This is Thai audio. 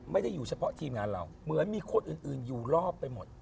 อยู่เฉพาะทีมงานเราเหมือนมีคนอื่นอยู่รอบไปหมด